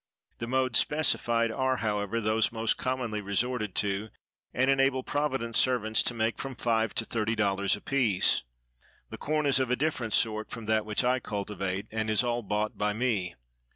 The modes specified are, however, those most commonly resorted to, and enable provident servants to make from five to thirty dollars apiece. The corn is of a different sort from that which I cultivate, and is all bought by me.